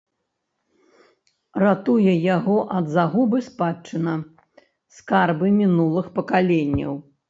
Ратуе яго ад загубы спадчына, скарбы мінулых пакаленняў.